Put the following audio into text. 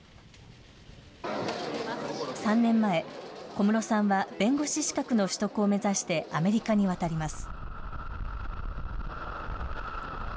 ３年前、小室さんは、弁護士資格の取得を目指してアメリカに渡ります。